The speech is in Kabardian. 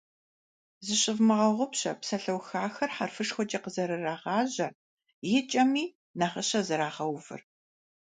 Зыщывмыгъэгъупщэ псалъэухахэр хьэрфышхуэкӀэ къызэрырагъажьэр, и кӀэми нагъыщэ зэрагъэувыр.